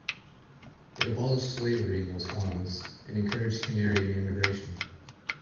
It abolished slavery in those colonies, and encouraged Canarian emigration.